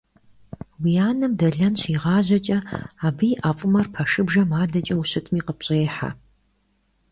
Уи анэм дэлэн щигъажьэкӀэ, абы и ӀэфӀымэр пэшыбжэм адэкӀэ ущытми къыпщӀехьэ.